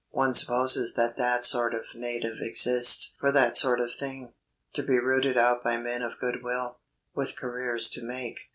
One supposes that that sort of native exists for that sort of thing to be rooted out by men of good will, with careers to make.